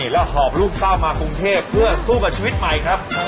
แล้วหอบลูกก้าวมากรุงเทพเพื่อสู้กับชีวิตใหม่ครับ